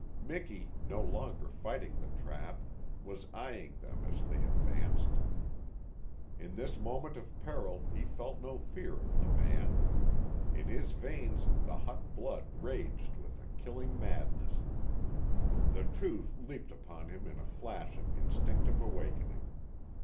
Miki, no longer fighting the trap, was eyeing them as they advanced. In this moment of peril he felt no fear of the man. In his veins the hot blood raged with a killing madness. The truth leapt upon him in a flash of instinctive awakening.